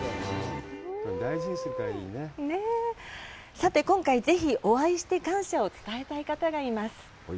さて今回ぜひお会いして感謝を伝えたい方がいます。